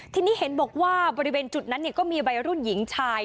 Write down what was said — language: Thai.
ทีนี้เห็นบอกว่าบริเวณจุดนั้นก็มีวัยรุ่นหญิงชาย